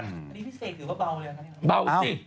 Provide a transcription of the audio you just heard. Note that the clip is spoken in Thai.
อันนี้พี่เสกถือว่าเบาเลยนะครับ